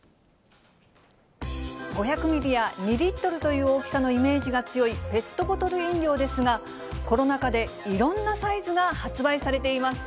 ５００ミリや２リットルという大きさのイメージが強いペットボトル飲料ですが、コロナ禍でいろんなサイズが発売されています。